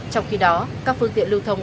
trong khi đó các phương tiện lưu thông